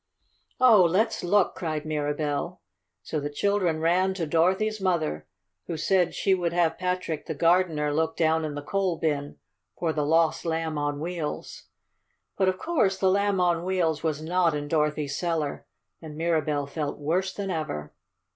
"Oh, let's look!" cried Mirabell. So the children ran to Dorothy's mother, who said she would have Patrick, the gardener, look down in the coal bin for the lost Lamb on Wheels. But of course the Lamb on Wheels was not in Dorothy's cellar, and Mirabell felt worse than ever.